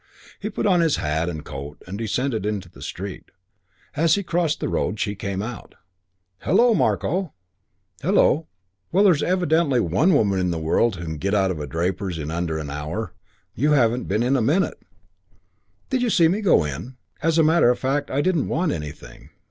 He put on his hat and coat and descended into the street. As he crossed the road she came out. "Hullo, Marko!" "Hullo. Well, there's evidently one woman in the world who can get out of a draper's in under an hour. You haven't been in a minute." "Did you see me go in? As a matter of fact I didn't want anything.